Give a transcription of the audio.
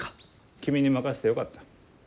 君に任せてよかった。